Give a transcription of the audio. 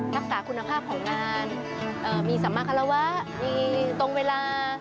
รักษาคุณภาพของงานมีสัมมาคารวะมีตรงเวลา